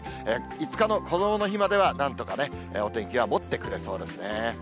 ５日のこどもの日まではなんとかお天気はもってくれそうですね。